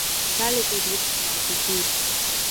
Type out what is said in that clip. Шьаликәа дуцхраап, егьип.